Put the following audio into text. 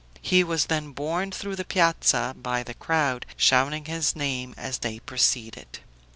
He was then borne through the piazza by the crowd, shouting his name as they proceeded.